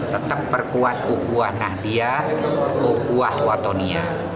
tetap berkuat ukuhah nahdliya ukuhah watonia